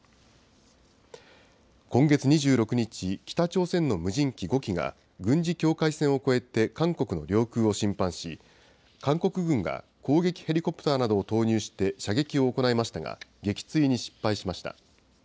今月２６日、北朝鮮の無人機５機が軍事境界線を越えて韓国の領空を侵犯し、韓国軍が攻撃ヘリコプターなどを投入して射撃を行いましたが、撃墜に失敗しました。